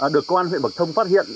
được quan huyện bậc thông phát hiện